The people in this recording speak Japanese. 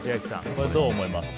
これはどう思いますか。